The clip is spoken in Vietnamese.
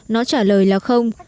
nó trả lời là không